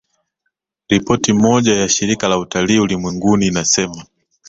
Ripoti moja ya Shirika la Utalii Ulimwenguni inasema